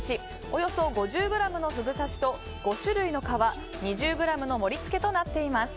およそ５０ｇのふぐ刺しと５種類の皮、２０ｇの盛り付けとなっています。